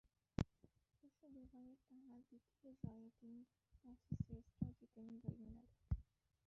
পরশু দুবাইয়ে টানা দ্বিতীয় জয়ে তিন ম্যাচের সিরিজটাও জিতে নিল ইংল্যান্ড।